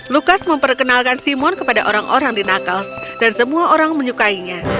lukas memperkenalkan simon kepada orang orang di nakes dan semua orang menyukainya